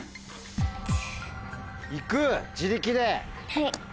はい！